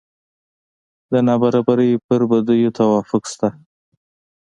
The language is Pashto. د نابرابرۍ پر بدیو توافق شته.